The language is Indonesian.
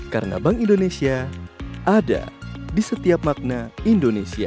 karena bank indonesia ada di setiap makna indonesia